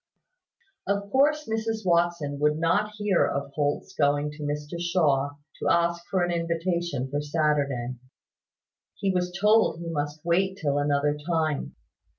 Of course Mrs Watson would not hear of Holt's going to Mr Shaw, to ask for an invitation for Saturday. He was told he must wait till another time.